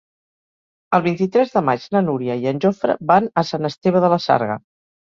El vint-i-tres de maig na Núria i en Jofre van a Sant Esteve de la Sarga.